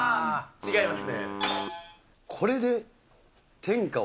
違います。